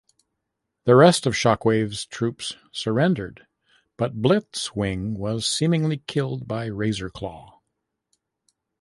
The rest of Shockwave's troops surrendered, but Blitzwing was seemingly killed by Razorclaw.